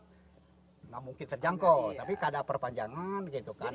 tidak mungkin terjangkau tapi keadaan perpanjangan gitu kan